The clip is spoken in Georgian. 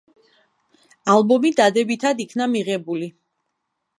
ალბომი დადებითად იქნა მიღებული.